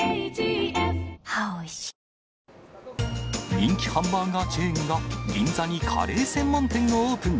人気ハンバーガーチェーンが銀座にカレー専門店をオープン。